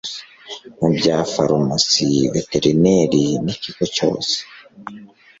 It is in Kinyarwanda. mu bya farumasi veterineri ni ikigo cyose